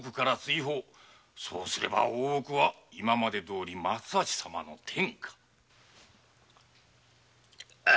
そうすれば大奥は今までどおり松橋様の天下。